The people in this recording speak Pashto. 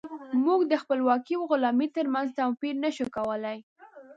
موږ د خپلواکۍ او غلامۍ ترمنځ توپير نشو کولی.